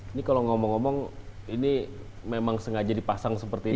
ini kalau ngomong ngomong ini memang sengaja dipasang seperti ini